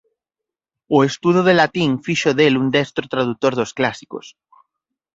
O estudo do latín fixo del un destro tradutor dos clásicos.